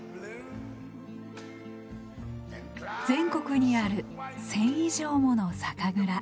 全国にある１，０００以上もの酒蔵。